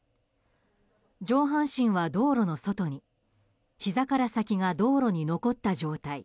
上半身は道路の外にひざから先が道路に残った状態。